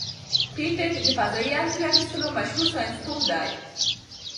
پېټټ د فضايي انځور اخیستلو مشهور ساینسپوه دی.